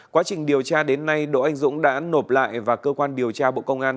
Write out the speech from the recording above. quá trình điều tra đến nay đỗ anh dũng đã nộp lại và cơ quan điều tra bộ công an